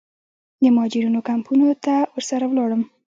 د مهاجرینو کمپونو ته ورسره ولاړم.